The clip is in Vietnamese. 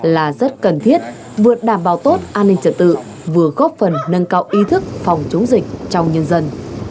là rất cần thiết vừa đảm bảo tốt an ninh trật tự vừa góp phần nâng cao ý thức phòng chống dịch trong nhân dân